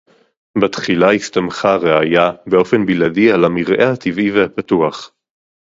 בתחילה הסתמכה הרעייה באופן בלעדי על המרעה הטבעי והפתוח